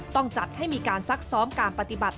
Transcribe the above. ต้องจัดให้มีการซักซ้อมการปฏิบัติ